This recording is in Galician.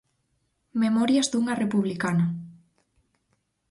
Memorias dunha republicana.